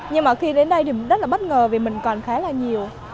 nhưng mà khi đến đây thì mình rất là bất ngờ vì mình còn khá là nhiều